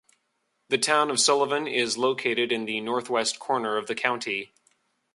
The Town of Sullivan is located in the northwest corner of the county.